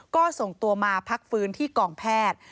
ก็ส่งตัวมาพักฟื้นที่กองแพทย์